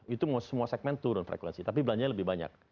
itu semua segmen turun frekuensi tapi belanjanya lebih banyak